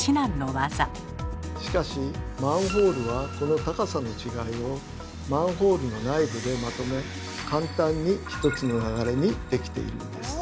しかしマンホールはこの高さの違いをマンホールの内部でまとめ簡単に１つの流れにできているんです。